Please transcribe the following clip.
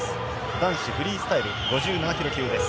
男子フリースタイル５７ｋｇ級です。